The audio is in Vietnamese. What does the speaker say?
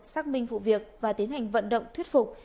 xác minh vụ việc và tiến hành vận động thuyết phục